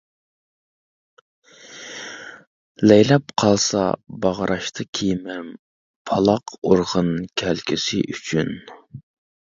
لەيلەپ قالسا باغراشتا كېمەم، پالاق ئۇرغىن كەلگۈسى ئۈچۈن.